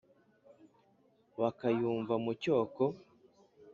Bakayumva mu cyoko,